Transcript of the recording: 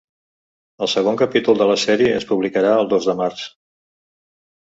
El segon capítol de la sèrie es publicarà el dos de març.